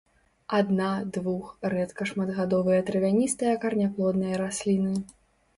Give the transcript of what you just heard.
Адна-, двух-, рэдка шматгадовыя травяністыя караняплодныя расліны.